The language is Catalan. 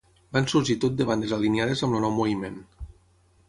Van sorgir tot de bandes alineades amb el nou moviment.